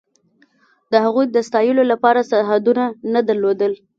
د هغوی د ستایلو لپاره سرحدونه نه درلودل.